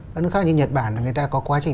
các nước khác như nhật bản là người ta có quá trình